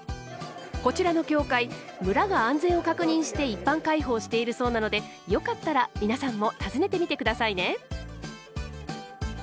こちらの教会村が安全を確認して一般開放しているそうなのでよかったら皆さんも訪ねてみて下さいね。